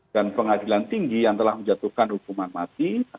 dan pengadilan tinggi yang telah menjatuhkan hukuman mati